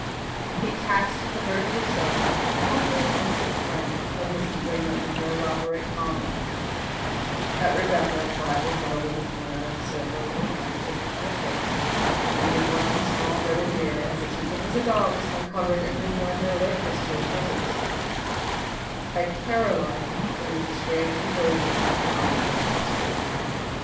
He cast a covertly sharp, comprehensive glance at Mrs. Brigham with her elaborate calm; at Rebecca quietly huddled in the corner of the sofa with her handkerchief to her face and only one small reddened ear as attentive as a dog's uncovered and revealing her alertness for his presence; at Caroline sitting with a strained composure in her armchair by the stove.